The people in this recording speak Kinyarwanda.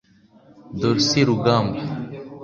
Dorcy Rugamba